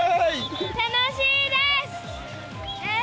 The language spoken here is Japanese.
楽しいです！